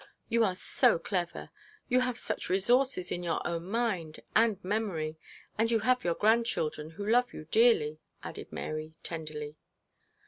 You are so clever, you have such resources in your own mind and memory, and you have your grandchildren, who love you dearly,' added Mary, tenderly.